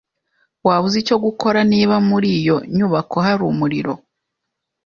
Waba uzi icyo gukora niba muri iyo nyubako hari umuriro?